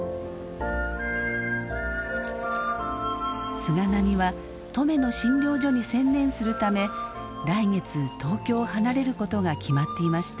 菅波は登米の診療所に専念するため来月東京を離れることが決まっていました。